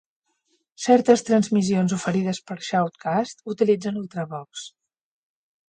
Certes transmissions oferides per Shoutcast utilitzen Ultravox.